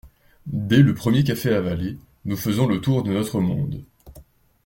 Dès le premier café avalé, nous faisons le tour de notre monde.